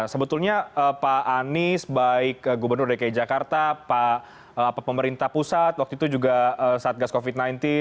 sebetulnya pak anies baik gubernur dki jakarta pemerintah pusat waktu itu juga satgas covid sembilan belas